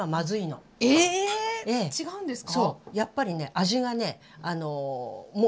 違うんですか？